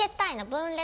分裂。